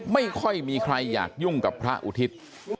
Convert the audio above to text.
ไม่ค่อยมีใครอยากยุ่งกับพระอุทิศ